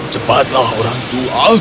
cepatlah orang tua